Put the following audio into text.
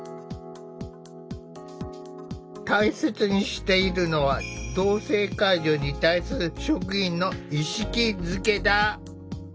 大切にしているのは同性介助に対する職員の意識づけだ。